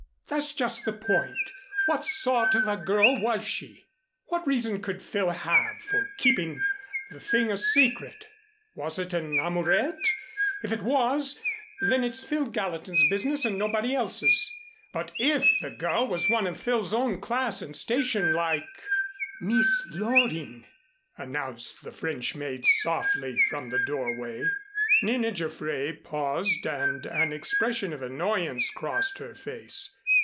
"That's just the point. What sort of a girl was she? What reason could Phil have for keeping the thing a secret? Was it an amourette? If it was, then it's Phil Gallatin's business and nobody else's. But if the girl was one of Phil's own class and station, like " "Miss Loring," announced the French maid softly from the doorway. Nina Jaffray paused and an expression of annoyance crossed her face.